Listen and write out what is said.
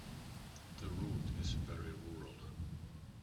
The route is very rural.